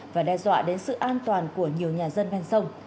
và đe dọa đến sự an toàn của nhiều nhà dân ven sông